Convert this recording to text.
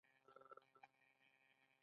هر فرد باید د نورو لپاره هم قایل وي.